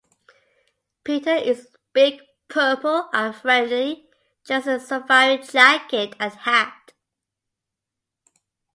Peter is big, purple, and friendly, dressed in a safari jacket and hat.